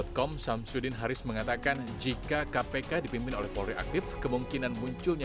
pansir com syamsuddin haris mengatakan jika kpk dipimpin oleh polriaktif kemungkinan munculnya